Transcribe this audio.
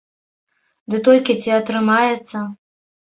Ды толькі ці атрымаецца?